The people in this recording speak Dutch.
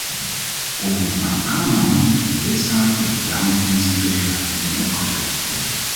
Over nog maar een paar maanden moeten de lidstaten de betalingsdienstenrichtlijn hebben omgezet.